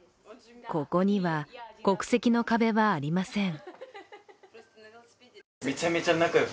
ここには国籍の壁はありません。